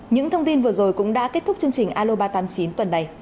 những thông tin vừa rồi cũng đã kết thúc chương trình aloba tám mươi chín tuần này